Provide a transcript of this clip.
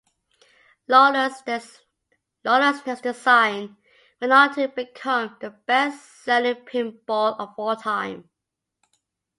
Lawlor's next design went on to become the best-selling pinball of all time.